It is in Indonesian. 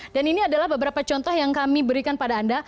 dan ini adalah beberapa contoh yang kami berikan pada anda